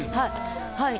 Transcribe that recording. はい。